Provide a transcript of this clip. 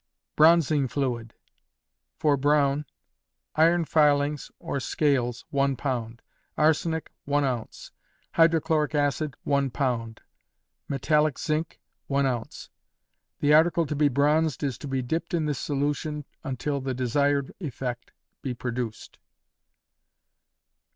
Bronzing Fluid. For brown: Iron filings, or scales, 1 lb.; arsenic, 1 oz.; hydrochloric acid, 1 lb.; metallic zinc, 1 oz. The article to be bronzed is to be dipped in this solution till the desired effect be produced.